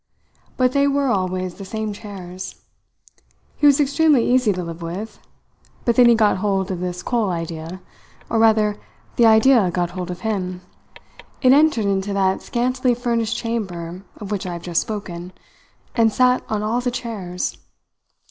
But they were always the same chairs. He was extremely easy to live with; but then he got hold of this coal idea or, rather, the idea got hold of him, it entered into that scantily furnished chamber of which I have just spoken, and sat on all the chairs.